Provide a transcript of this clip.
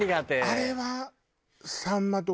あれは？